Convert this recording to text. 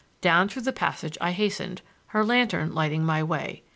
Down through the passage I hastened, her lantern lighting my way.